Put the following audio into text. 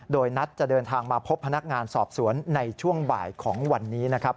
โดยนัดจะเดินทางมาพบพนักงานสอบสวนในช่วงบ่ายของวันนี้นะครับ